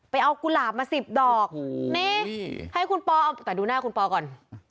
เอากุหลาบมาสิบดอกนี่ให้คุณปอเอาแต่ดูหน้าคุณปอก่อน